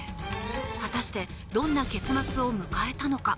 果たしてどんな結末を迎えたのか。